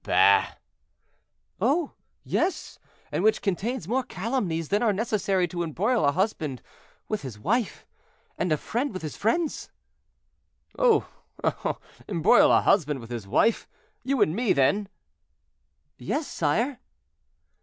"Bah!" "Oh! yes, and which contains more calumnies than are necessary to embroil a husband with his wife, and a friend with his friends." "Oh! oh! embroil a husband with his wife; you and me then?" "Yes, sire."